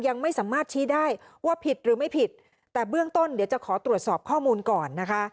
ยังไม่สามารถชี้ได้ว่าผิดหรือไม่ผิดแต่เบื้องต้นเดี๋ยวจะขอตรวจสอบข้อมูลก่อนนะคะ